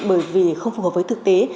bởi vì không phù hợp với thực tế